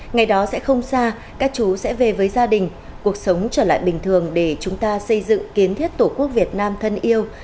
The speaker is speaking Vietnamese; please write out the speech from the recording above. ngày đó sẽ không xa các chú sẽ về với gia đình cuộc sống trở lại bình thường để chúng ta xây dựng kiến thiết tổ quốc việt nam thân yêu